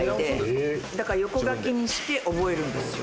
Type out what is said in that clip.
「へぇ」「横書きにして覚えるんですよ」